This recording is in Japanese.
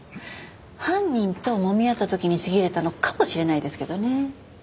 犯人ともみ合った時にちぎれたのかもしれないですけどね。